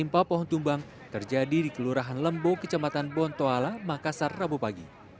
impah pohon tumbang terjadi di kelurahan lembo kecamatan bontoala makassar rabu pagi